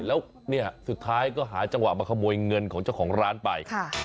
แล้วเนี่ยสุดท้ายก็หาจังหวะมาขโมยเงินของเจ้าของร้านไป